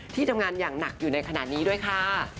ที่ทำงานอย่างหนักอยู่ในขณะนี้ด้วยค่ะ